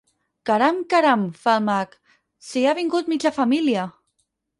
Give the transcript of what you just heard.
Caram caram —fa el mag—, si ha vingut mitja família!